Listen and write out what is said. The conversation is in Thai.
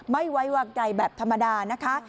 ไม่ไว้วางใจแบบธรรมดานะคะ